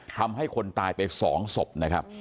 ทำให้คนตายไป๒ศพนะครับ